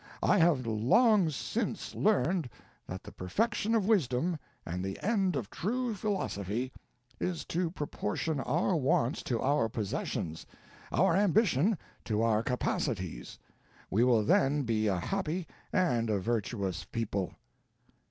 I have long since learned that the perfection of wisdom, and the end of true philosophy, is to proportion our wants to our possessions, our ambition to our capacities; we will then be a happy and a virtuous people."